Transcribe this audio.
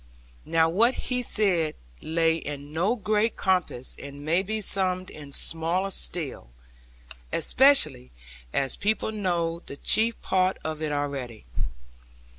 Now what he said lay in no great compass and may be summed in smaller still; especially as people know the chief part of it already.